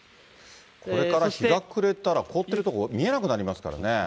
これから日が暮れたら、凍ってる所見えなくなりますからね。